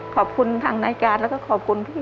ขอบคุณทางนายการและก็ขอบคุณพี่เอครับ